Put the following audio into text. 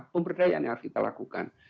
pemberdayaan yang harus kita lakukan